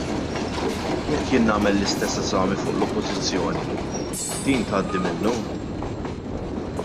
Jekk jien nagħmel l-istess eżami fuq l-Oppożizzjoni, din tgħaddi minnu?